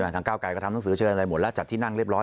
ทางเก้าไกรก็ทำหนังสือเชิญอะไรหมดแล้วจัดที่นั่งเรียบร้อย